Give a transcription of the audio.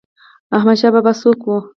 احمد شاه بابا څوک و؟